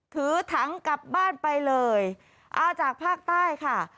ถือถังกลับบ้านไปเลยเอาจากภาคใต้ค่ะ